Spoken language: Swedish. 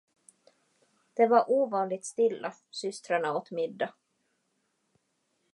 Där var ovanligt stilla, systrarna åt middag.